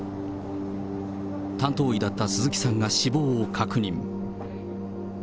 担当医だった鈴木さんが死亡を確認。